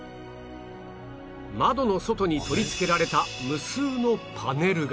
窓の外に取り付けられた無数のパネルが